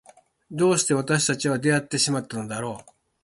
どうして私たちは出会ってしまったのだろう。